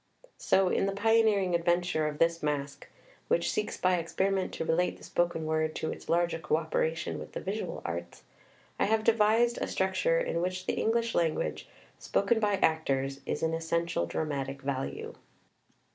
So, in the pioneering adventure of this Masque, which seeks by experiment to relate the spoken word to its larger cooperation with the visual arts, I have devised a structure in which the English language, spoken by actors, is an essential dramatic value.